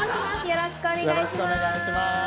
よろしくお願いします